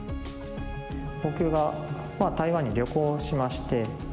僕が台湾に旅行しまして。